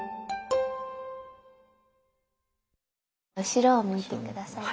後ろを向いて下さい。